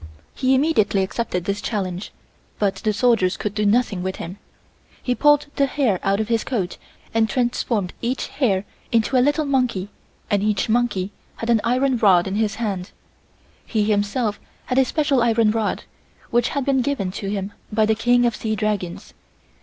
He immediately accepted this challenge, but the soldiers could do nothing with him. He pulled the hair out of his coat and transformed each hair into a little monkey and each monkey had an iron rod in its hand. He himself had a special iron rod, which had been given to him by the King of Sea Dragons.